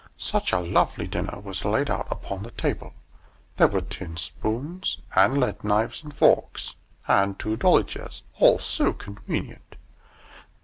Such a lovely dinner was laid out upon the table! There were tin spoons, and lead knives and forks, and two dolly chairs all SO convenient!